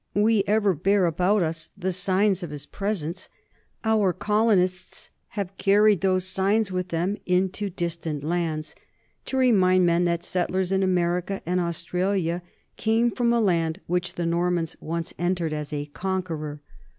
We ever bear about us the signs of his presence. Our colonists have carried those signs with them into distant lands, to remind men that settlers in America and Australia came from a land which the Norman once entered as a conqueror."